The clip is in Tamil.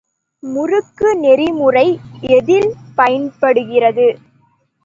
முறுக்க நெறிமுறை எதில் பயன்படுகிறது?